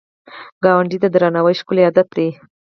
ګاونډي ته درناوی ښکلی عادت دی